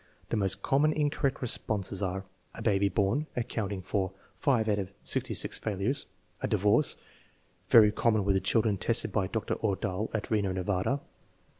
The most common incorrect responses are: "A baby born" (ac counting for 5 out of 66 failures) ; "A divorce" (very common with the children tested by Dr. Ordahl, at Reno, Nevada!)